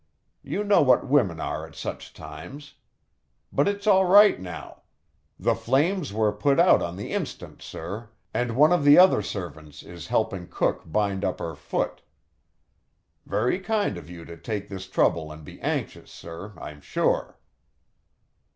You know what women are at such times. But it's all right now. The flames were put out on the instant, sir, and one of the other servants is helping cook bind up her foot. Very kind of you to take this trouble and be anxious, sir, I'm sure."